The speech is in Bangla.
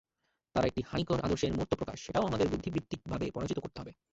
তারা একটি হানিকর আদর্শের মূর্ত প্রকাশ, সেটাও আমাদের বুদ্ধিবৃত্তিকভাবে পরাজিত করতে হবে।